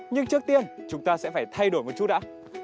nhưng trước tiên chúng ta sẽ phải thay đổi một chút đã